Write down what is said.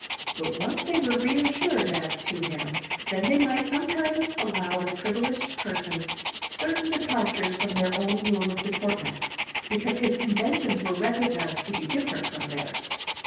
But, once they were reassured as to him, then they might sometimes allow the privileged person certain departures from their own rule of deportment, because his conventions were recognized to be different from theirs.